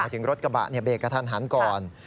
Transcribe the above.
ถึงรถกระบะเบรกกระทันหันก่อน